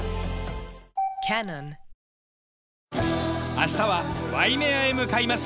明日はワイメアヘ向かいます。